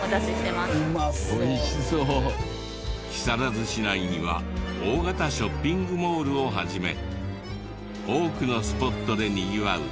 木更津市内には大型ショッピングモールを始め多くのスポットでにぎわう